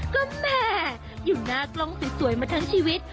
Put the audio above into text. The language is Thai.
ก็แม่อยู่หน้ากล้องสวยมาทั้งชีวิต